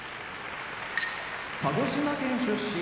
鹿児島県出身